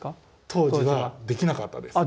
当時はできなかったです。